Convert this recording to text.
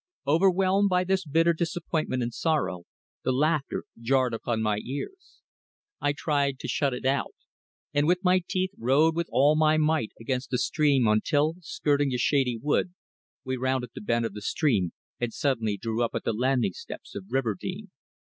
Overwhelmed by this bitter disappointment and sorrow, the laughter jarred upon my ears. I tried to shut it out, and with my teeth set rowed with all my might against the stream until, skirting the shady wood, we rounded the bend of the stream and suddenly drew up at the landing steps of Riverdene.